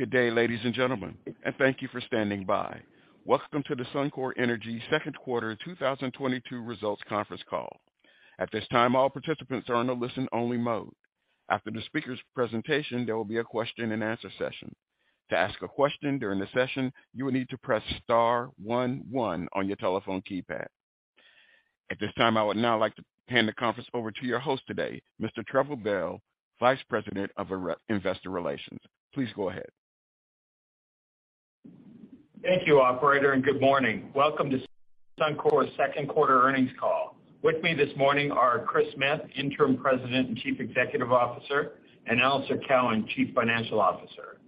Good day, ladies and gentlemen, and thank you for standing by. Welcome to the Suncor Energy second quarter 2022 results conference call. At this time, all participants are in a listen-only mode. After the speaker's presentation, there will be a question-and-answer session. To ask a question during the session, you will need to press star one one on your telephone keypad. At this time, I would now like to hand the conference over to your host today, Mr. Trevor Bell, Vice President of Investor Relations. Please go ahead. Thank you, operator, and good morning. Welcome to Suncor's second quarter earnings call. With me this morning are Kris Smith, Interim President and Chief Executive Officer; and Alister Cowan, Chief Financial Officer.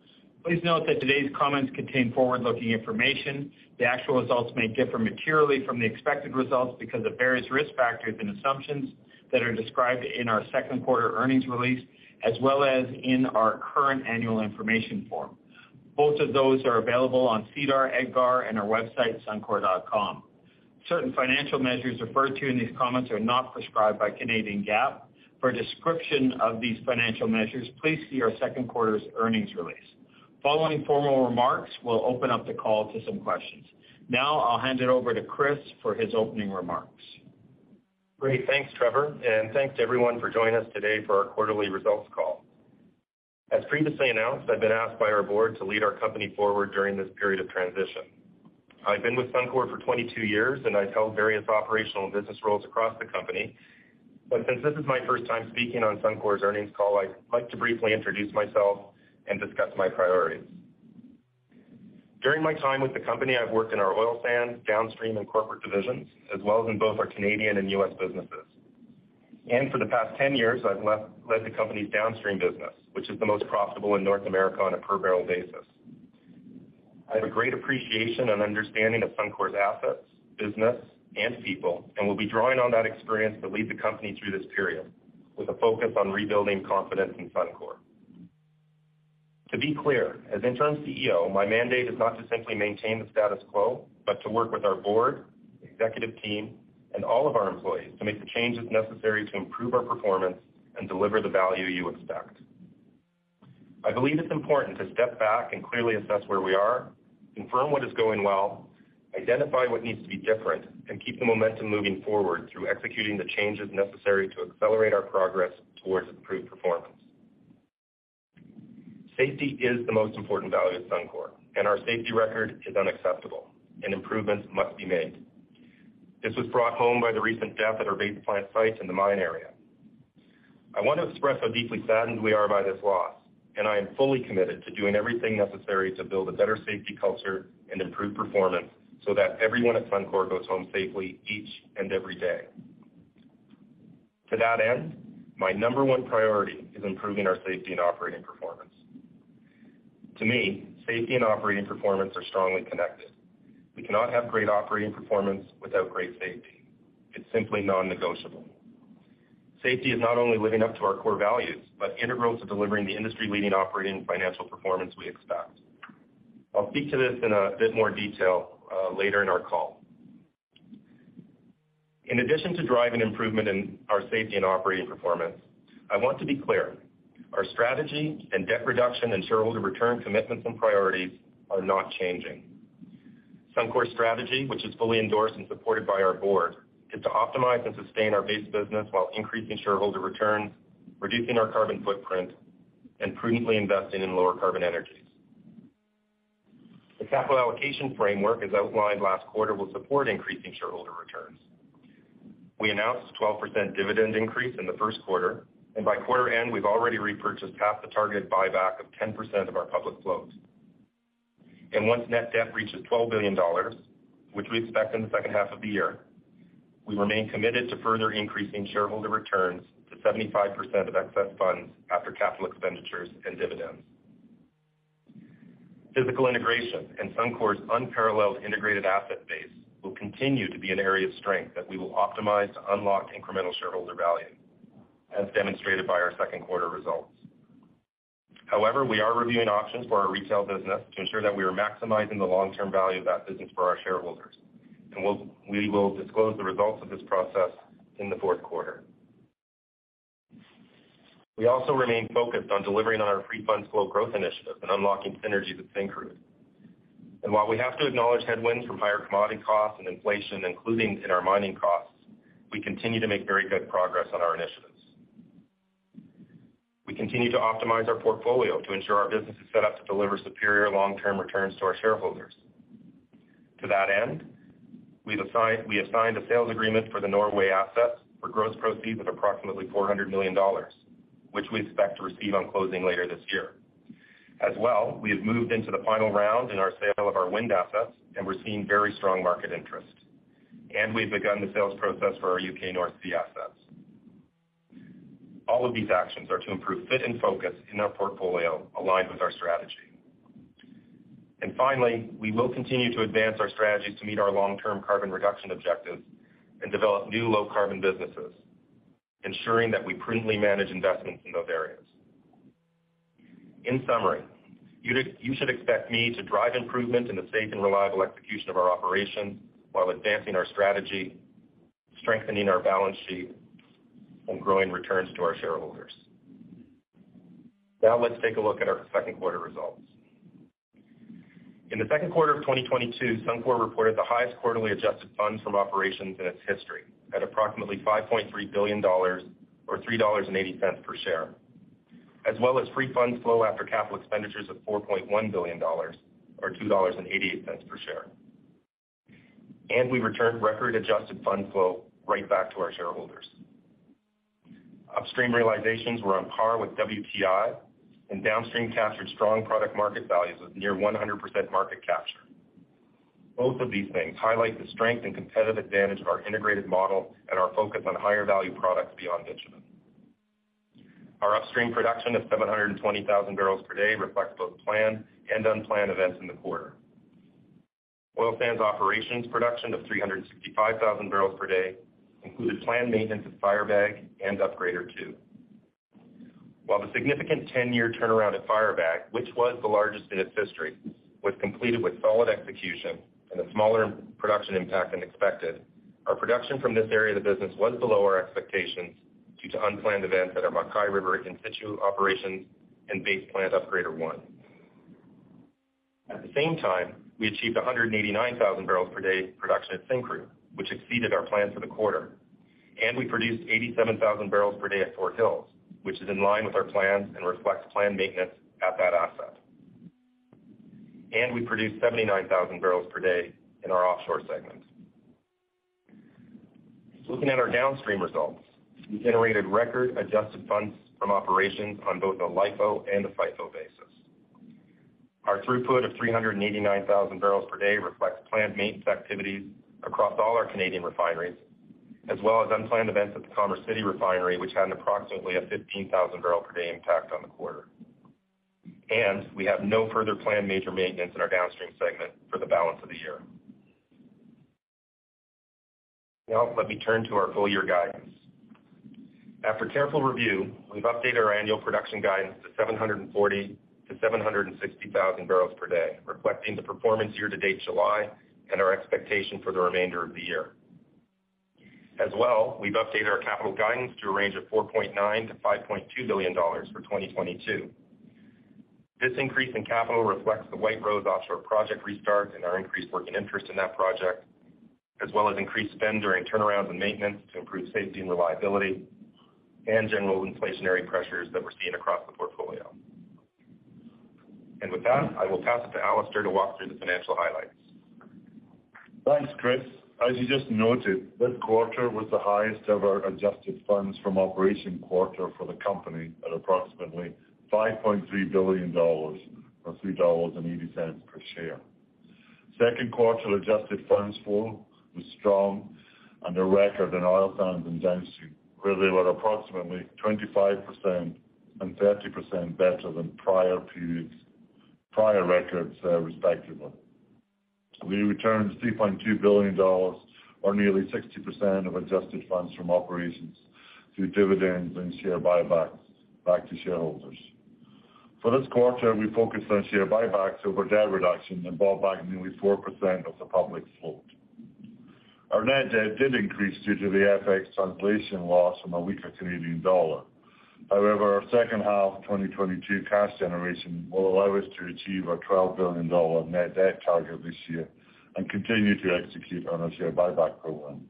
Please note that today's comments contain forward-looking information. The actual results may differ materially from the expected results because of various risk factors and assumptions that are described in our second quarter earnings release, as well as in our current annual information form. Both of those are available on SEDAR, EDGAR, and our website, suncor.com. Certain financial measures referred to in these comments are not prescribed by Canadian GAAP. For a description of these financial measures, please see our second quarter's earnings release. Following formal remarks, we'll open up the call to some questions. Now I'll hand it over to Kris for his opening remarks. Great. Thanks, Trevor, and thanks to everyone for joining us today for our quarterly results call. As previously announced, I've been asked by our board to lead our company forward during this period of transition. I've been with Suncor for 22 years, and I've held various operational and business roles across the company. Since this is my first time speaking on Suncor's earnings call, I'd like to briefly introduce myself and discuss my priorities. During my time with the company, I've worked in our Oil Sands, Downstream, and Corporate Divisions, as well as in both our Canadian and U.S. businesses. For the past 10 years, I've led the company's Downstream business, which is the most profitable in North America on a per-barrel basis. I have a great appreciation and understanding of Suncor's assets, business, and people, and will be drawing on that experience to lead the company through this period with a focus on rebuilding confidence in Suncor. To be clear, as Interim CEO, my mandate is not to simply maintain the status quo, but to work with our board, executive team, and all of our employees to make the changes necessary to improve our performance and deliver the value you expect. I believe it's important to step back and clearly assess where we are, confirm what is going well, identify what needs to be different, and keep the momentum moving forward through executing the changes necessary to accelerate our progress towards improved performance. Safety is the most important value at Suncor, and our safety record is unacceptable and improvements must be made. This was brought home by the recent death at our Base Plant site in the mine area. I want to express how deeply saddened we are by this loss, and I am fully committed to doing everything necessary to build a better safety culture and improve performance so that everyone at Suncor goes home safely each and every day. To that end, my number one priority is improving our safety and operating performance. To me, safety and operating performance are strongly connected. We cannot have great operating performance without great safety. It's simply non-negotiable. Safety is not only living up to our core values, but integral to delivering the industry-leading operating financial performance we expect. I'll speak to this in a bit more detail later in our call. In addition to driving improvement in our safety and operating performance, I want to be clear, our strategy and debt reduction and shareholder return commitments and priorities are not changing. Suncor's strategy, which is fully endorsed and supported by our board, is to optimize and sustain our base business while increasing shareholder returns, reducing our carbon footprint, and prudently investing in lower carbon energies. The capital allocation framework, as outlined last quarter, will support increasing shareholder returns. We announced a 12% dividend increase in the first quarter, and by quarter end, we've already repurchased half the targeted buyback of 10% of our public float. Once net debt reaches 12 billion dollars, which we expect in the second half of the year, we remain committed to further increasing shareholder returns to 75% of excess funds after capital expenditures and dividends. Physical integration and Suncor's unparalleled integrated asset base will continue to be an area of strength that we will optimize to unlock incremental shareholder value, as demonstrated by our second quarter results. However, we are reviewing options for our retail business to ensure that we are maximizing the long-term value of that business for our shareholders, and we will disclose the results of this process in the fourth quarter. We also remain focused on delivering on our free funds flow growth initiative and unlocking synergy with Syncrude. While we have to acknowledge headwinds from higher commodity costs and inflation, including in our mining costs, we continue to make very good progress on our initiatives. We continue to optimize our portfolio to ensure our business is set up to deliver superior long-term returns to our shareholders. To that end, we have signed a sales agreement for the Norway assets for gross proceeds of approximately $400 million, which we expect to receive on closing later this year. As well, we have moved into the final round in our sale of our wind assets, and we're seeing very strong market interest. We've begun the sales process for our U.K. North Sea assets. All of these actions are to improve fit and focus in our portfolio aligned with our strategy. Finally, we will continue to advance our strategies to meet our long-term carbon reduction objectives and develop new low-carbon businesses, ensuring that we prudently manage investments in those areas. In summary, you should expect me to drive improvement in the safe and reliable execution of our operations while advancing our strategy, strengthening our balance sheet and growing returns to our shareholders. Now let's take a look at our second quarter results. In the second quarter of 2022, Suncor reported the highest quarterly adjusted funds from operations in its history at approximately 5.3 billion dollars or 3.80 dollars per share, as well as free fund flow after capital expenditures of 4.1 billion dollars or 2.88 dollars per share. We returned record adjusted fund flow right back to our shareholders. Upstream realizations were on par with WTI and Downstream captured strong product market values of near 100% market capture. Both of these things highlight the strength and competitive advantage of our integrated model and our focus on higher value products beyond bitumen. Our upstream production of 720,000 bbl per day reflects both planned and unplanned events in the quarter. Oil Sands operations production of 365,000 bbl per day included planned maintenance of Firebag and Upgrader Two. While the significant ten-year turnaround at Firebag, which was the largest in its history, was completed with solid execution and a smaller production impact than expected, our production from this area of the business was below our expectations due to unplanned events at our MacKay River in situ operations and Base Plant Upgrader One. At the same time, we achieved 189,000 bbl per day production at Syncrude, which exceeded our plan for the quarter. We produced 87,000 bbl per day at Fort Hills, which is in line with our plans and reflects planned maintenance at that asset. We produced 79,000 bbl per day in our offshore segment. Looking at our Downstream results, we generated record adjusted funds from operations on both the LIFO and the FIFO basis. Our throughput of 389,000 bbl per day reflects planned maintenance activities across all our Canadian refineries, as well as unplanned events at the Commerce City Refinery, which had approximately a 15,000 bbl per day impact on the quarter. We have no further planned major maintenance in our Downstream segment for the balance of the year. Now let me turn to our full year guidance. After careful review, we've updated our annual production guidance to 740,000 bbl-760,000 bbl per day, reflecting the performance year to date July and our expectation for the remainder of the year. As well, we've updated our capital guidance to a range of 4.9 billion-5.2 billion dollars for 2022. This increase in capital reflects the White Rose offshore project restart and our increased working interest in that project, as well as increased spend during turnarounds and maintenance to improve safety and reliability and general inflationary pressures that we're seeing across the portfolio. With that, I will pass it to Alister to walk through the financial highlights. Thanks, Kris. As you just noted, this quarter was the highest ever adjusted funds from operations quarter for the company at approximately 5.3 billion dollars or 3.80 dollars per share. Second quarter adjusted funds flow was strong and a record in Oil Sands and Downstream, where they were approximately 25% and 30% better than prior periods, prior records, respectively. We returned 3.2 billion dollars or nearly 60% of adjusted funds from operations through dividends and share buybacks back to shareholders. For this quarter, we focused on share buybacks over debt reduction and bought back nearly 4% of the public float. Our net debt did increase due to the FX translation loss from a weaker Canadian dollar. However, our second half 2022 cash generation will allow us to achieve our 12 billion dollar net debt target this year and continue to execute on our share buyback program.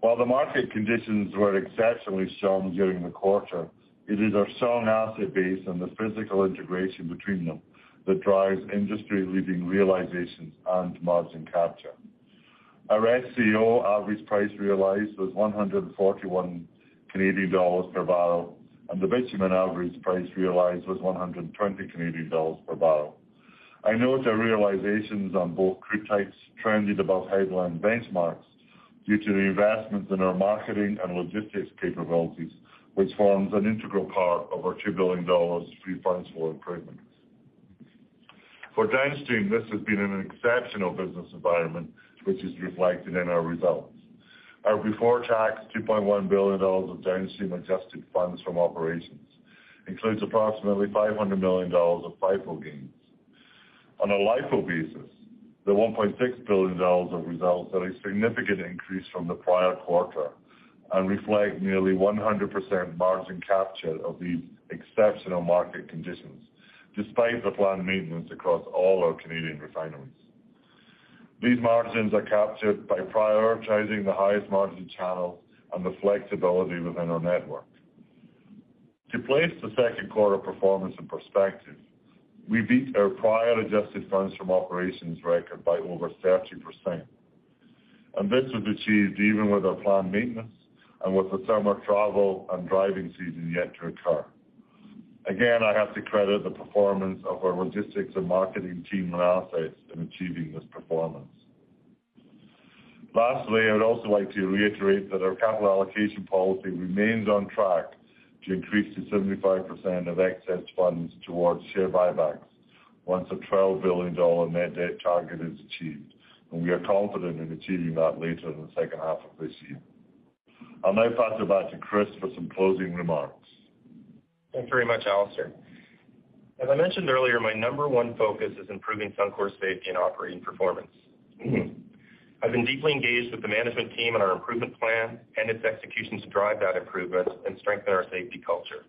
While the market conditions were exceptionally strong during the quarter, it is our strong asset base and the physical integration between them that drives industry-leading realizations and margin capture. Our SCO average price realized was 141 Canadian dollars per barrel, and the bitumen average price realized was 120 Canadian dollars per barrel. I note our realizations on both crude types trended above headline benchmarks due to the investments in our marketing and logistics capabilities, which forms an integral part of our 2 billion dollars free funds flow improvements. For Downstream, this has been an exceptional business environment, which is reflected in our results. Our before tax 2.1 billion dollars of Downstream adjusted funds from operations includes approximately 500 million dollars of FIFO gains. On a LIFO basis, the 1.6 billion dollars of results are a significant increase from the prior quarter and reflect nearly 100% margin capture of these exceptional market conditions despite the planned maintenance across all our Canadian refineries. These margins are captured by prioritizing the highest margin channel and the flexibility within our network. To place the second quarter performance in perspective, we beat our prior adjusted funds from operations record by over 30%, and this was achieved even with our planned maintenance and with the summer travel and driving season yet to occur. Again, I have to credit the performance of our logistics and marketing team and assets in achieving this performance. Lastly, I would also like to reiterate that our capital allocation policy remains on track to increase to 75% of excess funds towards share buybacks once a 12 billion dollar net debt target is achieved, and we are confident in achieving that later in the second half of this year. I'll now pass it back to Kris for some closing remarks. Thanks very much, Alister. As I mentioned earlier, my number one focus is improving Suncor safety and operating performance. I've been deeply engaged with the management team on our improvement plan and its execution to drive that improvement and strengthen our safety culture.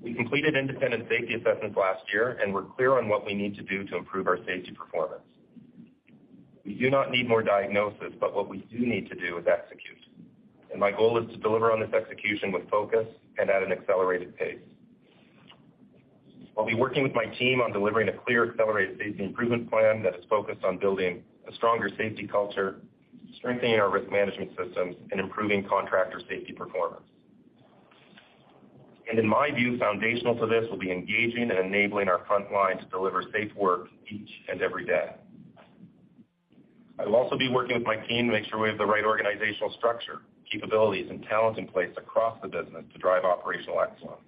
We completed independent safety assessments last year, and we're clear on what we need to do to improve our safety performance. We do not need more diagnosis, but what we do need to do is execute. My goal is to deliver on this execution with focus and at an accelerated pace. I'll be working with my team on delivering a clear accelerated safety improvement plan that is focused on building a stronger safety culture, strengthening our risk management systems, and improving contractor safety performance. In my view, foundational to this will be engaging and enabling our front line to deliver safe work each and every day. I will also be working with my team to make sure we have the right organizational structure, capabilities, and talent in place across the business to drive operational excellence.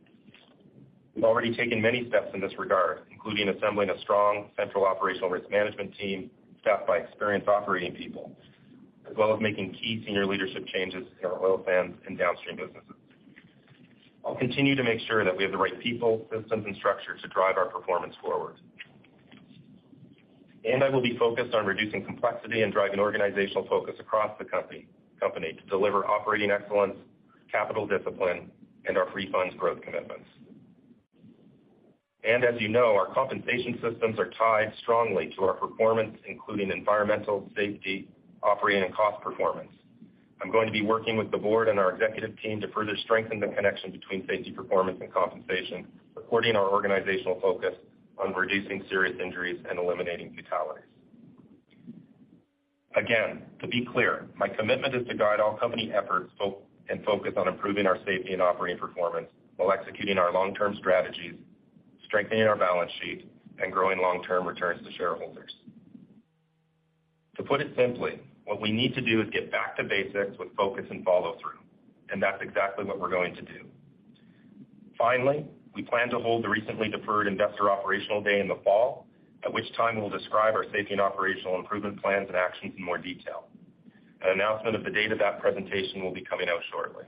We've already taken many steps in this regard, including assembling a strong central operational risk management team staffed by experienced operating people, as well as making key senior leadership changes in our Oil Sands and Downstream businesses. I'll continue to make sure that we have the right people, systems, and structures to drive our performance forward. I will be focused on reducing complexity and driving organizational focus across the company to deliver operating excellence, capital discipline, and our free funds flow commitments. As you know, our compensation systems are tied strongly to our performance, including environmental, safety, operating, and cost performance. I'm going to be working with the board and our executive team to further strengthen the connection between safety performance and compensation, supporting our organizational focus on reducing serious injuries and eliminating fatalities. Again, to be clear, my commitment is to guide all company efforts and focus on improving our safety and operating performance while executing our long-term strategies, strengthening our balance sheet, and growing long-term returns to shareholders. To put it simply, what we need to do is get back to basics with focus and follow through, and that's exactly what we're going to do. Finally, we plan to hold the recently deferred investor operational day in the fall, at which time we'll describe our safety and operational improvement plans and actions in more detail. An announcement of the date of that presentation will be coming out shortly.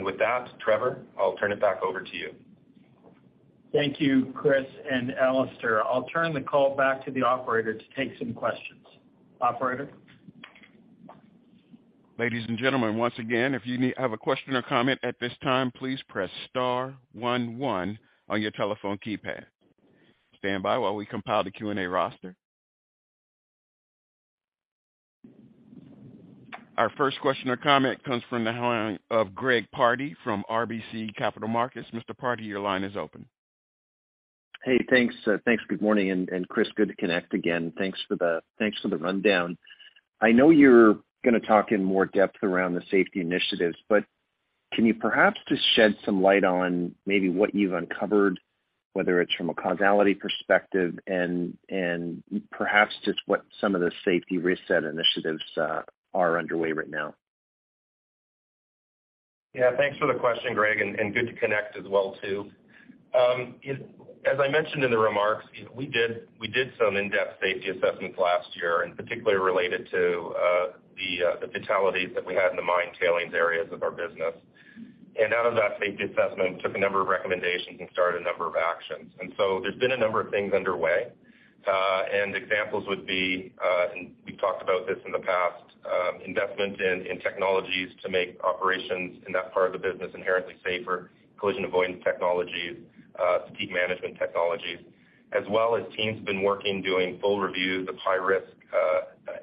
With that, Trevor, I'll turn it back over to you. Thank you, Kris and Alister. I'll turn the call back to the operator to take some questions. Operator? Ladies and gentlemen, once again, if you have a question or comment at this time, please press star one one on your telephone keypad. Stand by while we compile the Q&A roster. Our first question or comment comes from the line of Greg Pardy from RBC Capital Markets. Mr. Pardy, your line is open. Hey, thanks. Good morning. Kris, good to connect again. Thanks for the rundown. I know you're gonna talk in more depth around the safety initiatives, but can you perhaps just shed some light on maybe what you've uncovered, whether it's from a causality perspective and perhaps just what some of the safety reset initiatives are underway right now? Yeah, thanks for the question, Greg, and good to connect as well, too. As I mentioned in the remarks, you know, we did some in-depth safety assessments last year, and particularly related to the fatalities that we had in the mine tailings areas of our business. Out of that safety assessment, took a number of recommendations and started a number of actions. There's been a number of things underway. Examples would be, and we've talked about this in the past, investment in technologies to make operations in that part of the business inherently safer, collision avoidance technologies, fatigue management technology, as well as teams have been working doing full reviews of high-risk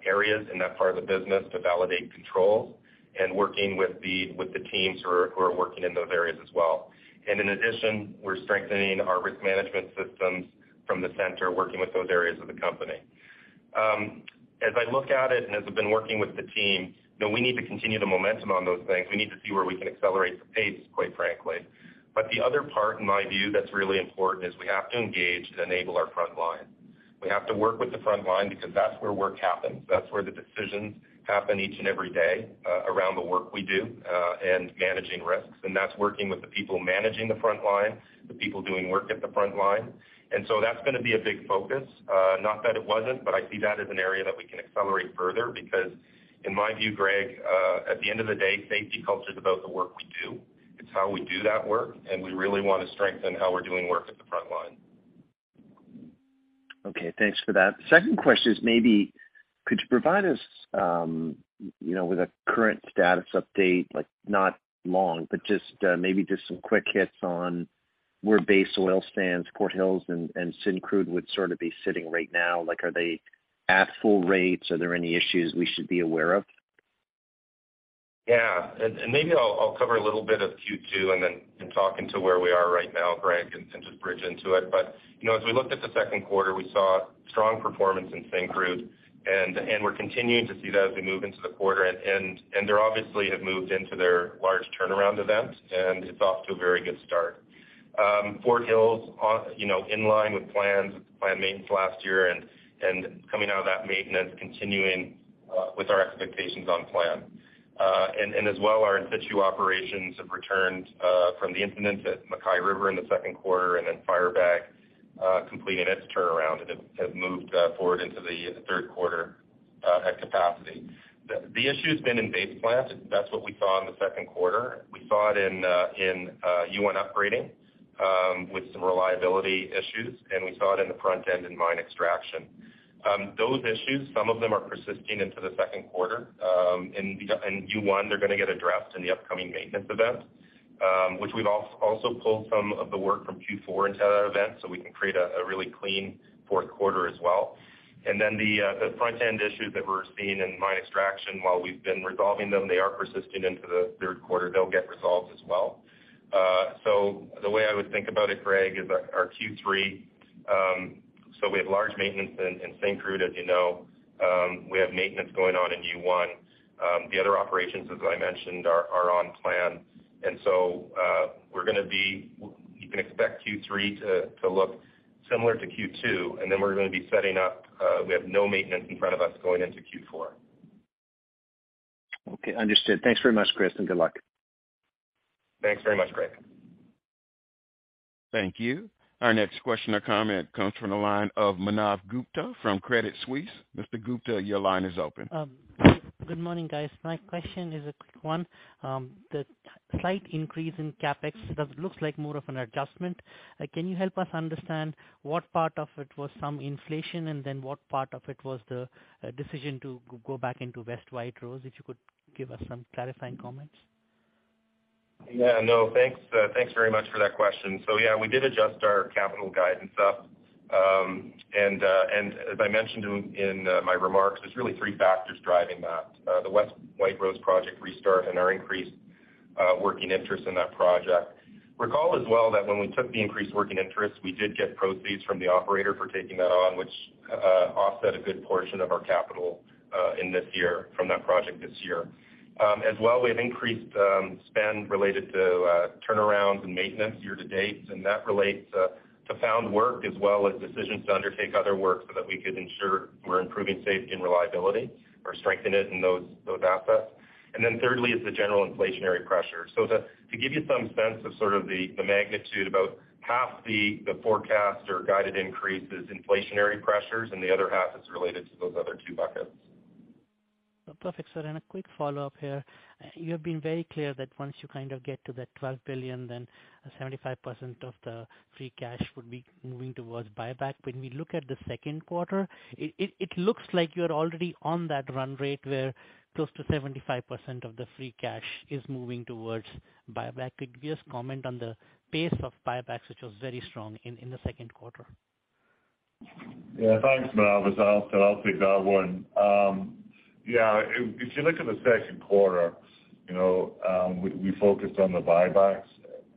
areas in that part of the business to validate controls and working with the teams who are working in those areas as well. In addition, we're strengthening our risk management systems from the center, working with those areas of the company. As I look at it, and as I've been working with the team, you know, we need to continue the momentum on those things. We need to see where we can accelerate the pace, quite frankly. The other part, in my view, that's really important is we have to engage to enable our front line. We have to work with the front line because that's where work happens. That's where the decisions happen each and every day, around the work we do, and managing risks. That's working with the people managing the front line, the people doing work at the front line. That's gonna be a big focus. Not that it wasn't, but I see that as an area that we can accelerate further because in my view, Greg, at the end of the day, safety culture is about the work we do. It's how we do that work, and we really wanna strengthen how we're doing work at the front line. Okay, thanks for that. Second question is maybe could you provide us, you know, with a current status update, like not long, but just, maybe just some quick hits on where base oil sands, Fort Hills and Syncrude would sort of be sitting right now? Like, are they at full rates? Are there any issues we should be aware of? Yeah. Maybe I'll cover a little bit of Q2 and then in talking to where we are right now, Greg, and just bridge into it. You know, as we looked at the second quarter, we saw strong performance in Syncrude. We're continuing to see that as we move into the quarter. They obviously have moved into their large turnaround event, and it's off to a very good start. Fort Hills, you know, in line with plans, planned maintenance last year and coming out of that maintenance, continuing with our expectations on plan. As well, our in-situ operations have returned from the incidents at MacKay River in the second quarter, and then Firebag completing its turnaround. It has moved forward into the third quarter at capacity. The issue's been in Base Plant. That's what we saw in the second quarter. We saw it in U1 upgrading with some reliability issues, and we saw it in the front end in mine extraction. Those issues, some of them are persisting into the second quarter. In U1, they're gonna get addressed in the upcoming maintenance event, which we've also pulled some of the work from Q4 into that event, so we can create a really clean fourth quarter as well. The front-end issues that we're seeing in mine extraction, while we've been resolving them, they are persisting into the third quarter. They'll get resolved as well. The way I would think about it, Greg, is our Q3, so we have large maintenance in Syncrude, as you know. We have maintenance going on in U1. The other operations, as I mentioned, are on plan. You can expect Q3 to look similar to Q2, and then we're gonna be setting up. We have no maintenance in front of us going into Q4. Okay, understood. Thanks very much, Kris, and good luck. Thanks very much, Greg. Thank you. Our next question or comment comes from the line of Manav Gupta from Credit Suisse. Mr. Gupta, your line is open. Good morning, guys. My question is a quick one. The slight increase in CapEx, it looks like more of an adjustment. Can you help us understand what part of it was some inflation, and then what part of it was the decision to go back into West White Rose? If you could give us some clarifying comments. Yeah, no. Thanks very much for that question. Yeah, we did adjust our capital guidance up, and as I mentioned in my remarks, there's really three factors driving that. The West White Rose project restart and our increased working interest in that project. Recall as well that when we took the increased working interest, we did get proceeds from the operator for taking that on, which offset a good portion of our capital in this year from that project this year. As well, we have increased spend related to turnarounds and maintenance year to date, and that relates to found work as well as decisions to undertake other work so that we could ensure we're improving safety and reliability or strengthen it in those assets. Thirdly is the general inflationary pressure. To give you some sense of sort of the magnitude, about half the forecast or guided increase is inflationary pressures, and the other half is related to those other two buckets. Perfect, sir. A quick follow-up here. You have been very clear that once you kind of get to that 12 billion, then 75% of the free cash would be moving towards buyback. When we look at the second quarter, it looks like you're already on that run rate where close to 75% of the free cash is moving towards buyback. Could you just comment on the pace of buybacks, which was very strong in the second quarter? Yeah, thanks, Manav. It's Alister. I'll take that one. Yeah, if you look at the second quarter, you know, we focused on the buybacks.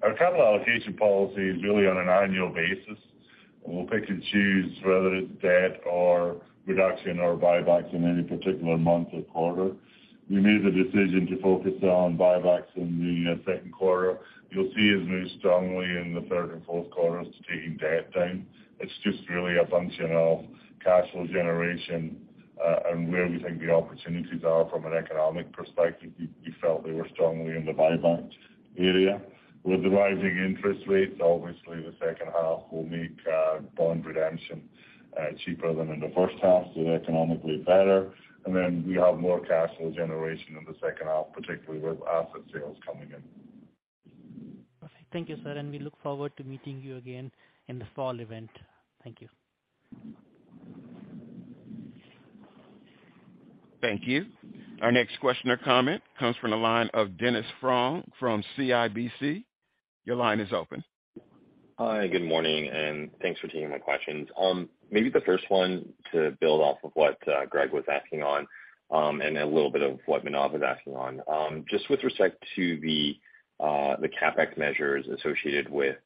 Our capital allocation policy is really on an annual basis, and we'll pick and choose whether it's debt or reduction or buybacks in any particular month or quarter. We made the decision to focus on buybacks in the second quarter. You'll see us move strongly in the third and fourth quarters to taking debt down. It's just really a function of cash flow generation, and where we think the opportunities are from an economic perspective. We felt they were strongly in the buyback area. With the rising interest rates, obviously, the second half will make bond redemption cheaper than in the first half, so economically better. We have more cash flow generation in the second half, particularly with asset sales coming in. Perfect. Thank you, sir. We look forward to meeting you again in the fall event. Thank you. Thank you. Our next question or comment comes from the line of Dennis Fong from CIBC. Your line is open. Hi. Good morning, and thanks for taking my questions. Maybe the first one to build off of what Greg was asking on, and a little bit of what Manav was asking on. Just with respect to the CapEx measures associated with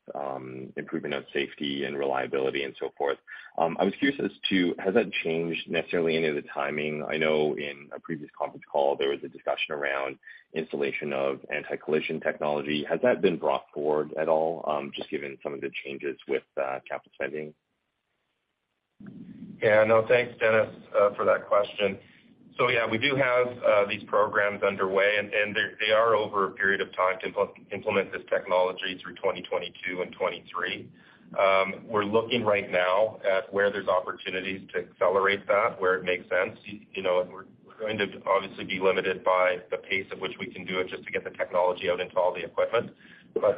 improvement of safety and reliability and so forth, I was curious as to has that changed necessarily any of the timing? I know in a previous conference call, there was a discussion around installation of anti-collision technology. Has that been brought forward at all, just given some of the changes with capital spending? Yeah. No, thanks, Dennis, for that question. Yeah, we do have these programs underway and they are over a period of time to implement this technology through 2022 and 2023. We're looking right now at where there's opportunities to accelerate that, where it makes sense. You know, we're going to obviously be limited by the pace at which we can do it just to get the technology out into all the equipment.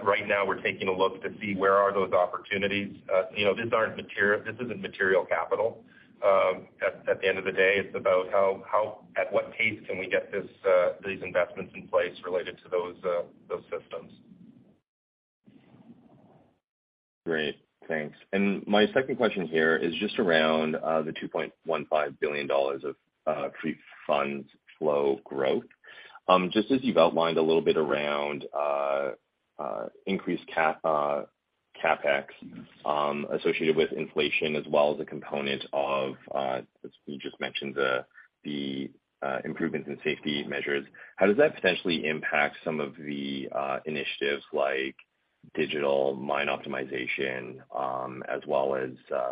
Right now we're taking a look to see where are those opportunities. You know, these aren't. This isn't material capital. At the end of the day, it's about how at what pace can we get this, these investments in place related to those systems. Great. Thanks. My second question here is just around the 2.15 billion dollars of free funds flow growth. Just as you've outlined a little bit around increased CapEx associated with inflation, as well as a component of, as you just mentioned, the improvements in safety measures, how does that potentially impact some of the initiatives like digital mine optimization, as well as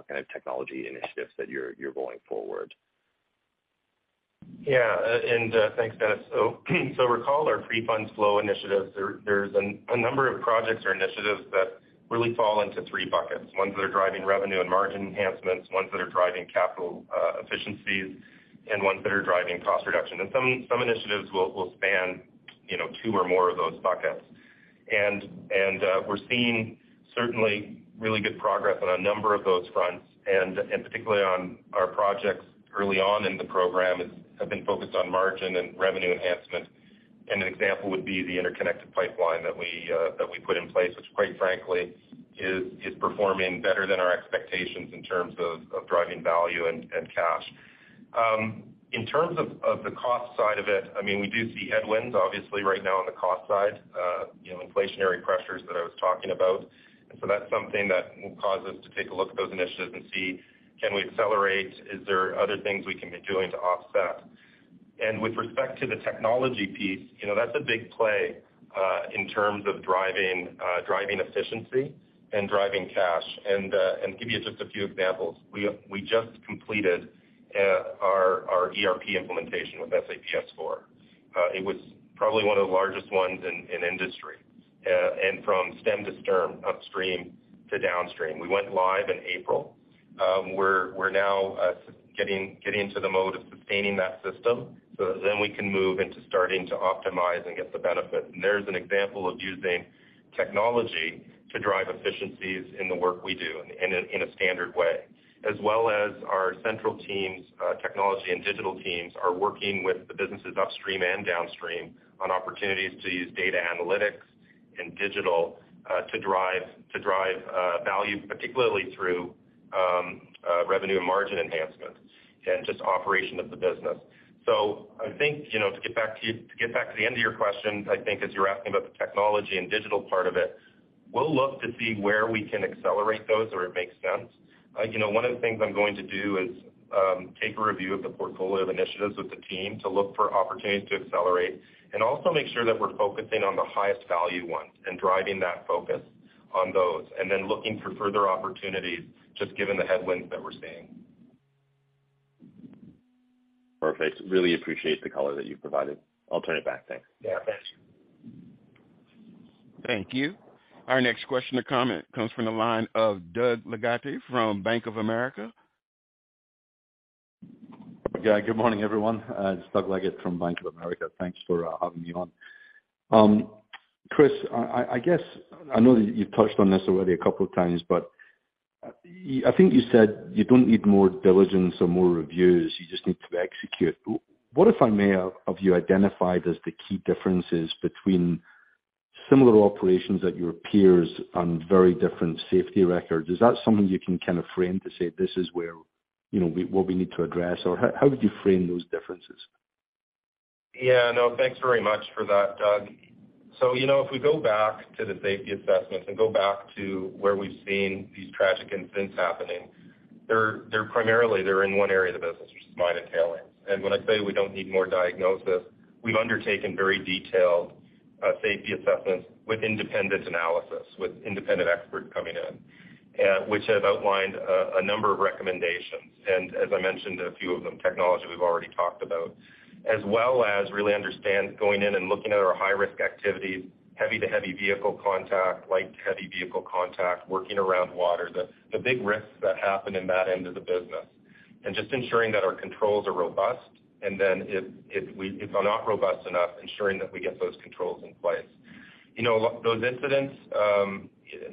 kind of technology initiatives that you're going forward? Yeah. Thanks, Dennis. Recall our free funds flow initiatives. There's a number of projects or initiatives that really fall into three buckets, ones that are driving revenue and margin enhancements, ones that are driving capital efficiencies, and ones that are driving cost reduction. Some initiatives will span, you know, two or more of those buckets. We're seeing certainly really good progress on a number of those fronts, and particularly on our projects early on in the program have been focused on margin and revenue enhancement. An example would be the interconnected pipeline that we put in place, which quite frankly is performing better than our expectations in terms of driving value and cash. In terms of the cost side of it, I mean, we do see headwinds, obviously, right now on the cost side, you know, inflationary pressures that I was talking about. That's something that will cause us to take a look at those initiatives and see can we accelerate? Is there other things we can be doing to offset? With respect to the technology piece, you know, that's a big play in terms of driving efficiency and driving cash. To give you just a few examples, we just completed our ERP implementation with SAP S/4. It was probably one of the largest ones in industry. From stem to stern, upstream to Downstream, we went live in April. We're now getting to the mode of sustaining that system so that then we can move into starting to optimize and get the benefit. There's an example of using technology to drive efficiencies in the work we do in a standard way. As well as our central teams, technology and digital teams are working with the businesses upstream and Downstream on opportunities to use data analytics and digital to drive value, particularly through revenue and margin enhancement and just operation of the business. I think, you know, to get back to the end of your question, I think as you're asking about the technology and digital part of it, we'll look to see where we can accelerate those where it makes sense. You know, one of the things I'm going to do is take a review of the portfolio of initiatives with the team to look for opportunities to accelerate and also make sure that we're focusing on the highest value ones and driving that focus on those, and then looking for further opportunities just given the headwinds that we're seeing. Perfect. Really appreciate the color that you've provided. I'll turn it back. Thanks. Yeah. Thanks. Thank you. Our next question or comment comes from the line of Doug Leggate from Bank of America. Yeah, good morning, everyone. It's Doug Leggate from Bank of America. Thanks for having me on. Kris, I guess I know that you've touched on this already a couple of times, but I think you said you don't need more diligence or more reviews, you just need to execute. What, if I may, have you identified as the key differences between similar operations at your peers on very different safety records? Is that something you can kind of frame to say this is where, you know, what we need to address? Or how would you frame those differences? Yeah, no, thanks very much for that, Doug. You know, if we go back to the safety assessments and go back to where we've seen these tragic incidents happening, they're primarily in one area of the business, which is mining and tailings. When I say we don't need more diagnosis, we've undertaken very detailed safety assessments with independent analysis, with independent experts coming in, which have outlined a number of recommendations. As I mentioned, a few of them, technology we've already talked about. As well as really understand going in and looking at our high-risk activities, heavy-to-heavy vehicle contact, light-to-heavy vehicle contact, working around water, the big risks that happen in that end of the business, and just ensuring that our controls are robust. If they're not robust enough, ensuring that we get those controls in place. You know, those incidents,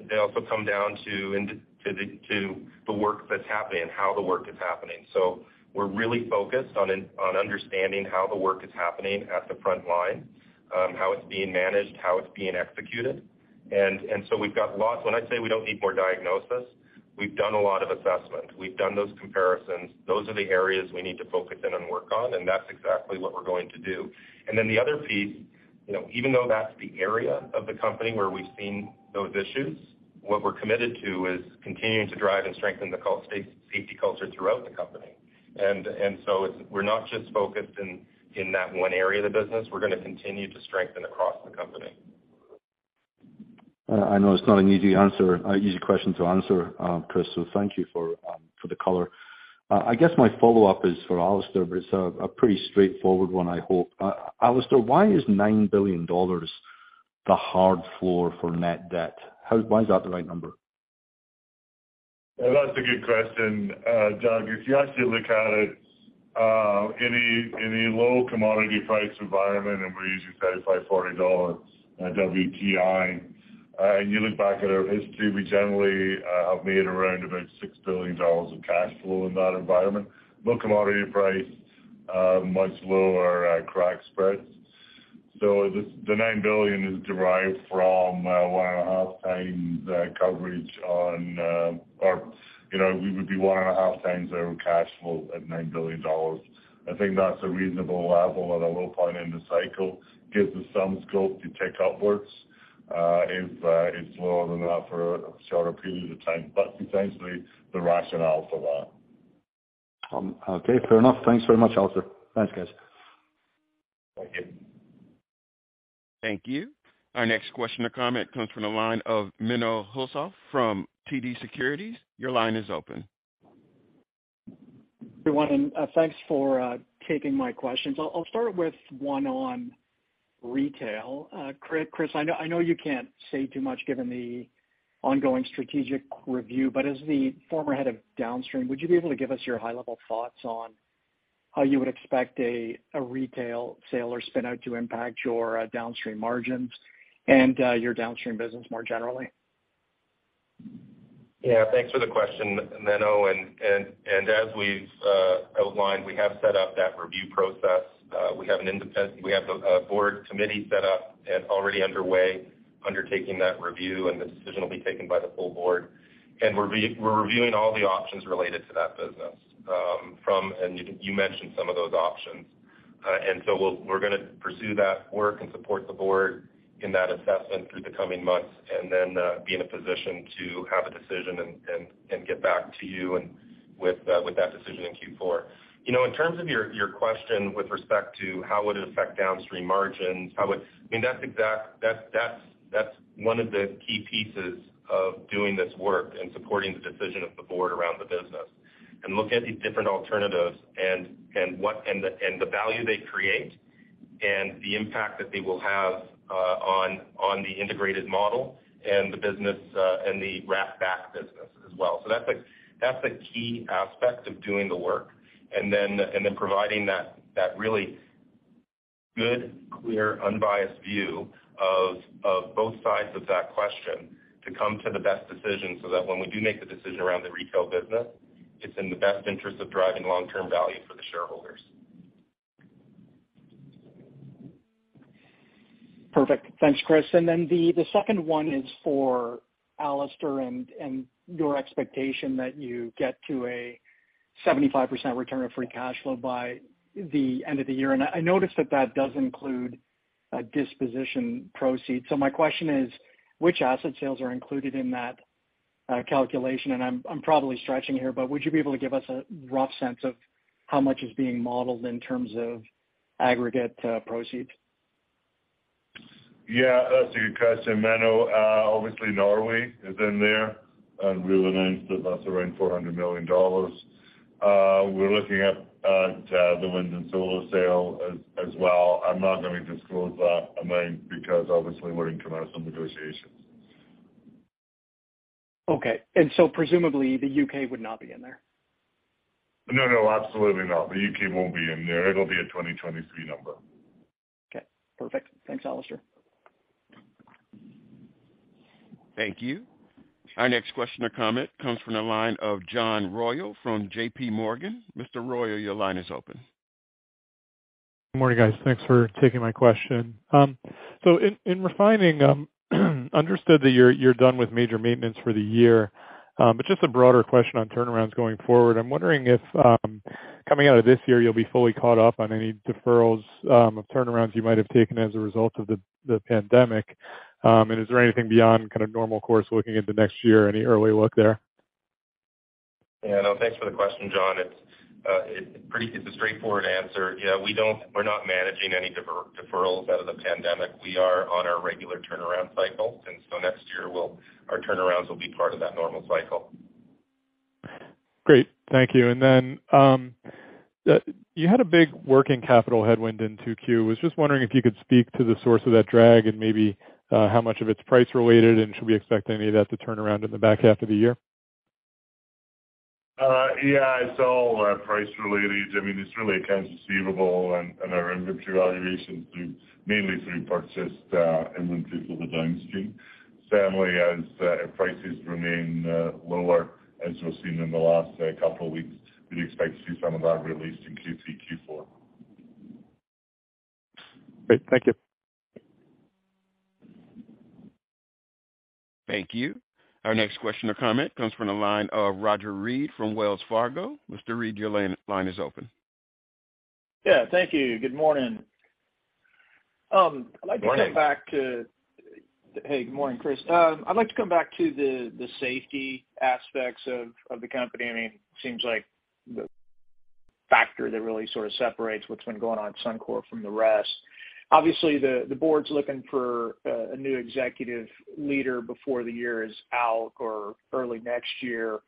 they also come down to the work that's happening and how the work is happening. We're really focused on understanding how the work is happening at the front line, how it's being managed, how it's being executed. When I say we don't need more diagnosis, we've done a lot of assessment. We've done those comparisons. Those are the areas we need to focus in and work on, and that's exactly what we're going to do. Then the other piece, you know, even though that's the area of the company where we've seen those issues, what we're committed to is continuing to drive and strengthen the safety culture throughout the company. So we're not just focused in that one area of the business. We're gonna continue to strengthen across the company. I know it's not an easy question to answer, Kris, so thank you for the color. I guess my follow-up is for Alister, but it's a pretty straightforward one I hope. Alister, why is 9 billion dollars the hard floor for net debt? Why is that the right number? That's a good question, Doug. If you actually look at it, any low commodity price environment, and we're usually $35-$40 WTI, and you look back at our history, we generally have made around about 6 billion dollars of cash flow in that environment. Low commodity price, much lower crack spreads. The 9 billion is derived from 1.5x coverage on, or, you know, we would be 1.5x our cash flow at 9 billion dollars. I think that's a reasonable level at a low point in the cycle, gives us some scope to tick upwards, if it's lower than that for a shorter period of time. That's essentially the rationale for that. Okay. Fair enough. Thanks very much, Alister. Thanks, guys. Thank you. Thank you. Our next question or comment comes from the line of Menno Hulshof from TD Securities. Your line is open. Everyone, thanks for taking my questions. I'll start with one on retail. Kris, I know you can't say too much given the Ongoing strategic review. As the former head of Downstream, would you be able to give us your high level thoughts on how you would expect a retail sale or spin out to impact your Downstream margins and your Downstream business more generally? Yeah, thanks for the question, Menno. As we've outlined, we have set up that review process. We have the board committee set up and already underway undertaking that review, and the decision will be taken by the full board. We're reviewing all the options related to that business. You mentioned some of those options. We're gonna pursue that work and support the board in that assessment through the coming months and then be in a position to have a decision and get back to you with that decision in Q4. You know, in terms of your question with respect to how would it affect Downstream margins, how would. I mean, that's one of the key pieces of doing this work and supporting the decision of the board around the business. Looking at these different alternatives and the value they create, and the impact that they will have on the integrated model and the business, and the Rack Back business as well. That's a key aspect of doing the work. Providing that really good, clear, unbiased view of both sides of that question to come to the best decision so that when we do make the decision around the retail business, it's in the best interest of driving long-term value for the shareholders. Perfect. Thanks, Kris. Then the second one is for Alister and your expectation that you get to a 75% return of free cash flow by the end of the year. I notice that that does include a disposition proceeds. My question is, which asset sales are included in that calculation? I'm probably stretching here, but would you be able to give us a rough sense of how much is being modeled in terms of aggregate proceeds? Yeah, that's a good question, Menno. Obviously Norway is in there, and we announced that that's around 400 million dollars. We're looking at the wind and solar sale as well. I'm not gonna disclose that amount because obviously we're in commercial negotiations. Okay. Presumably the U.K. would not be in there? No, no, absolutely not. The U.K. won't be in there. It'll be a 2023 number. Okay. Perfect. Thanks, Alister. Thank you. Our next question or comment comes from the line of John Royall from JPMorgan. Mr. Royall, your line is open. Good morning, guys. Thanks for taking my question. In refining, understood that you're done with major maintenance for the year. Just a broader question on turnarounds going forward. I'm wondering if, coming out of this year, you'll be fully caught up on any deferrals of turnarounds you might have taken as a result of the pandemic. Is there anything beyond kind of normal course looking into next year? Any early look there? Thanks for the question, John Royall. It's a straightforward answer. We're not managing any deferrals out of the pandemic. We are on our regular turnaround cycle, and so next year our turnarounds will be part of that normal cycle. Great. Thank you. You had a big working capital headwind in 2Q. Was just wondering if you could speak to the source of that drag and maybe how much of it's price related, and should we expect any of that to turn around in the back half of the year? Yeah, it's all price related. I mean, it's really accounts receivable and our inventory valuations mainly through purchased inventories of the Downstream. Certainly, as prices remain lower, as we've seen in the last couple of weeks, we'd expect to see some of that released in Q3, Q4. Great. Thank you. Thank you. Our next question or comment comes from the line of Roger Read from Wells Fargo. Mr. Read, your line is open. Yeah. Thank you. Good morning. Good morning. Hey, good morning, Kris. I'd like to come back to the safety aspects of the company. I mean, seems like the factor that really sort of separates what's been going on at Suncor from the rest. Obviously, the board's looking for a new executive leader before the year is out or early next year.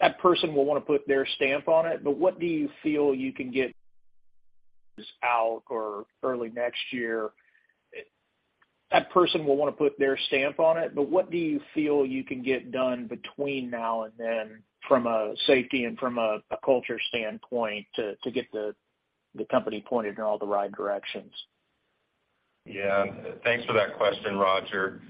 That person will wanna put their stamp on it, but what do you feel you can get done between now and then from a safety and from a culture standpoint to get the company pointed in all the right directions? Yeah. Thanks for that question, Roger.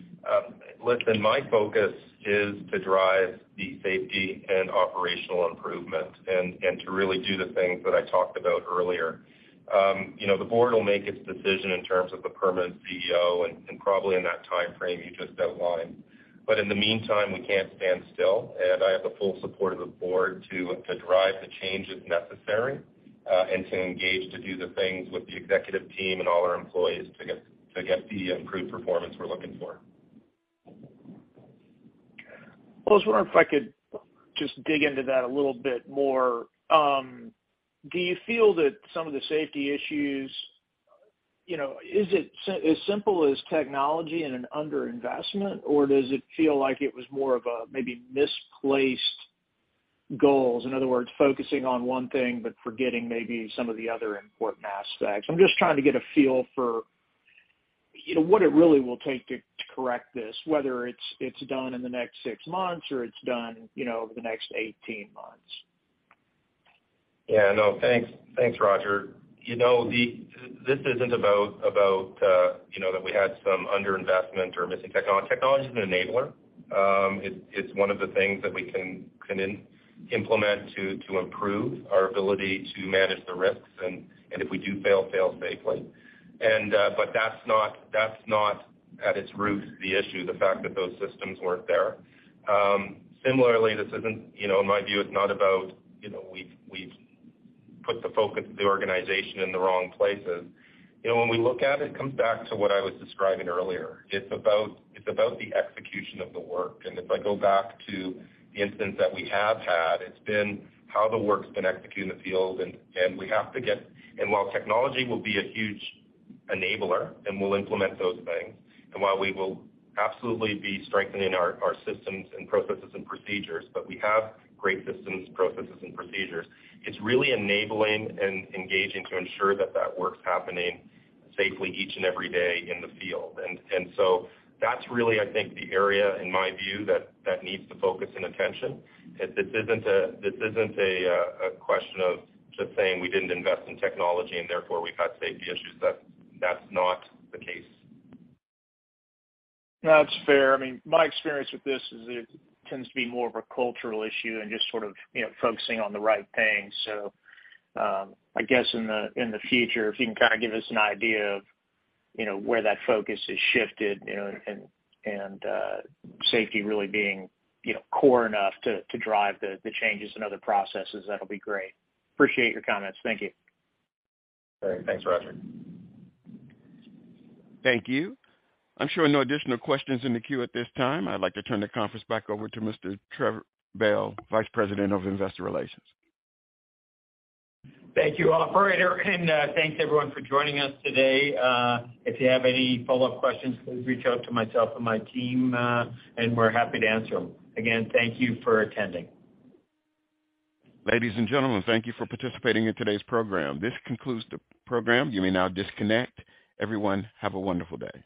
Listen, my focus is to drive the safety and operational improvement and to really do the things that I talked about earlier. You know, the board will make its decision in terms of the permanent CEO and probably in that timeframe you just outlined. In the meantime, we can't stand still, and I have the full support of the board to drive the change if necessary, and to engage to do the things with the executive team and all our employees to get the improved performance we're looking for. Well, I was wondering if I could just dig into that a little bit more. Do you feel that some of the safety issues, you know, is it as simple as technology and an under-investment, or does it feel like it was more of a maybe misplaced goals. In other words, focusing on one thing, but forgetting maybe some of the other important aspects. I'm just trying to get a feel for, you know, what it really will take to correct this, whether it's done in the next six months or it's done, you know, over the next 18 months. Yeah, no. Thanks. Thanks, Roger. You know, this isn't about, you know, that we had some under-investment or missing technology. Technology is an enabler. It's one of the things that we can implement to improve our ability to manage the risks and if we do fail safely. That's not at its root the issue, the fact that those systems weren't there. Similarly, this isn't, you know, in my view, it's not about, you know, we've put the focus of the organization in the wrong places. You know, when we look at it comes back to what I was describing earlier. It's about the execution of the work. If I go back to the instance that we have had, it's been how the work's been executed in the field. While technology will be a huge enabler, and we'll implement those things, and while we will absolutely be strengthening our systems and processes and procedures, but we have great systems, processes, and procedures. It's really enabling and engaging to ensure that work's happening safely each and every day in the field. That's really, I think, the area in my view that needs the focus and attention. This isn't a question of just saying we didn't invest in technology and therefore we've had safety issues. That's not the case. No, that's fair. I mean, my experience with this is it tends to be more of a cultural issue and just sort of, you know, focusing on the right things. I guess in the future, if you can kind of give us an idea of, you know, where that focus has shifted, you know, and safety really being, you know, core enough to drive the changes in other processes, that'll be great. Appreciate your comments. Thank you. Thanks, Roger. Thank you. I'm showing no additional questions in the queue at this time. I'd like to turn the conference back over to Mr. Trevor Bell, Vice President of Investor Relations. Thank you, operator, and thanks everyone for joining us today. If you have any follow-up questions, please reach out to myself or my team, and we're happy to answer them. Again, thank you for attending. Ladies and gentlemen, thank you for participating in today's program. This concludes the program. You may now disconnect. Everyone, have a wonderful day.